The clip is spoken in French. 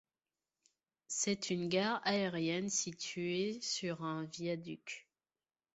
C'est une gare aérienne située sur un viaduc.